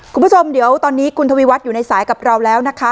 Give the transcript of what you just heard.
คุณผู้ชมเดี๋ยวตอนนี้คุณทวีวัฒน์อยู่ในสายกับเราแล้วนะคะ